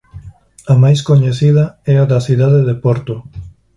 A máis coñecida é a da cidade de Porto.